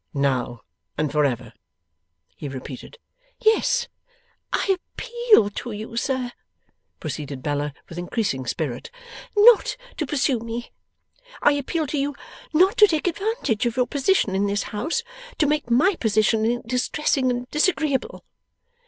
'Now and for ever,' he repeated. 'Yes. I appeal to you, sir,' proceeded Bella with increasing spirit, 'not to pursue me. I appeal to you not to take advantage of your position in this house to make my position in it distressing and disagreeable.